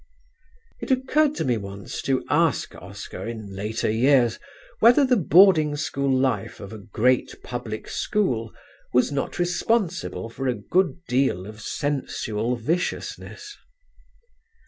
It occurred to me once to ask Oscar in later years whether the boarding school life of a great, public school was not responsible for a good deal of sensual viciousness.